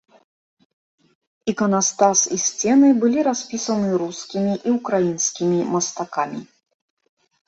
Іканастас і сцены былі распісаны рускімі і ўкраінскімі мастакамі.